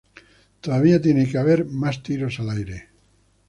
Todavía tiene que haber más tiros al aire.